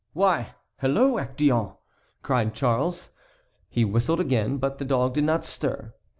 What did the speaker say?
"Why! hello, Actéon!" cried Charles. He whistled again, but the dog did not stir.